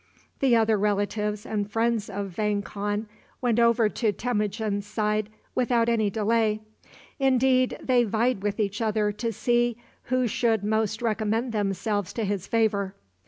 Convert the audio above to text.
The other relatives and friends of Vang Khan went over to Temujin's side without any delay. Indeed, they vied with each other to see who should most recommend themselves to his favor.